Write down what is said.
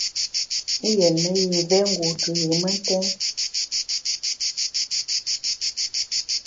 Yi yétne yi mvé ngu tuyùn mentèn.